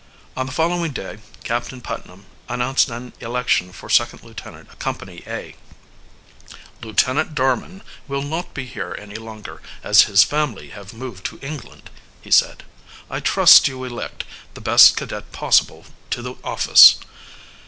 On the following day Captain Putnam, announced an election for second lieutenant of Company A. "Lieutenant Darman will not be here any longer, as his family have moved to England," he said. "I trust you elect the best cadet possible to the office.